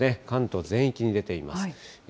関東全域に出ています。